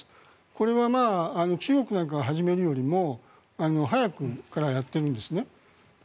これは中国なんかが始めるよりも早くからやっているんですね。